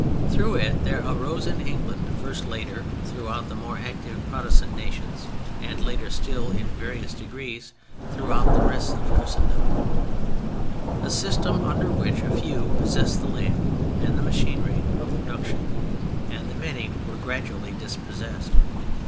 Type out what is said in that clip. Through it there arose in England first, later throughout the more active Protestant nations, and later still in various degrees throughout the rest of Christendom, a system under which a few possessed the land and the machinery of production, and the many were gradually dispossessed.